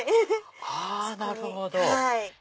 あなるほど。